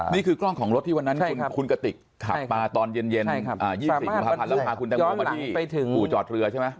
นี่คือกล้องของรถที่วันนั้นคุณกติกขับมาตอนเย็น๒๔กุมภาพันธ์แล้วพาคุณตังโมมาที่อู่จอดเรือใช่ไหม